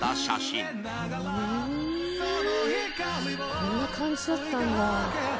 「こんな感じだったんだ」